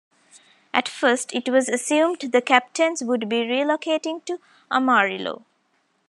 At first it was assumed the Captains would be relocating to Amarillo.